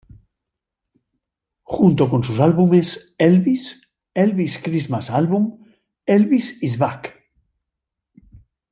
Junto con sus álbumes "Elvis", "Elvis' Christmas Album", "Elvis Is Back!